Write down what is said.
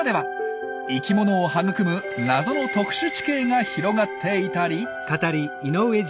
生きものを育む謎の特殊地形が広がっていたり。